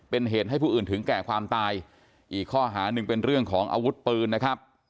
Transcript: เป็นเหตุให้ผู้อื่นถึงแก่ความตายอีกข้อหาหนึ่งเป็นเรื่องของอาวุธปืนนะครับ